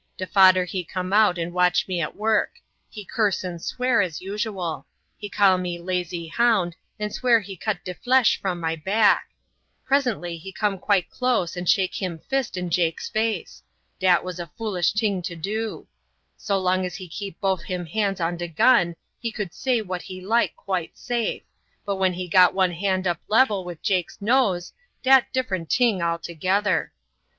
De fader he come out and watch me at work; he curse and swear as usual; he call me lazy hound and swear he cut de flesh from my back; presently he come quite close and shake him fist in Jake's face. Dat was a foolish ting to do. So long as he keep bofe him hands on de gun he could say what he like quite safe, but when he got one hand up lebel wid Jake's nose, dat different ting altogether.